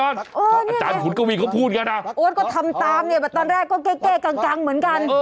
โอ๊ดก็ทำตามเนี่ยตอนแรกก็เกลี้ยกันเหมือนกัน